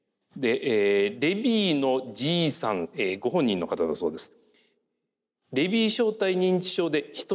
レビーの爺さんご本人の方だそうです。